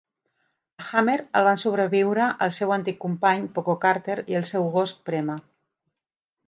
A Hammer el van sobreviure el seu antic company, Poco Carter, i el seu gos Prema.